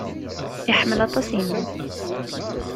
Iḥemmel aṭas yemma-s.